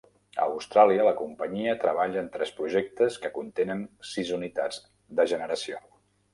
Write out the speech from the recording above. A Austràlia, la Companyia treballa en tres projectes que contenen sis unitats de generació.